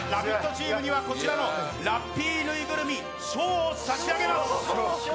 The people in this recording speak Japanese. チームにはラッピーぬいぐるみを差し上げます。